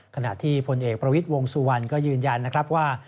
ขณะที่พลเอกประวิทย์วงสุวรรณก็ยืนยันนะครับว่า